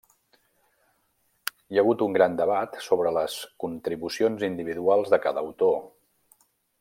Hi ha hagut un gran debat sobre les contribucions individuals de cada autor.